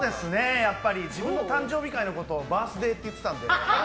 自分の誕生日会のことをバースデーって言ってたんで。